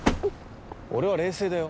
俺は冷静だよ